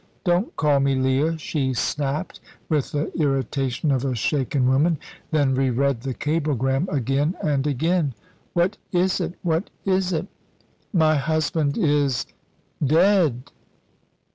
"Don't call me Leah," she snapped, with the irritation of a shaken woman, then re read the cablegram, again and again. "What is it? what is it?" "My husband is dead!"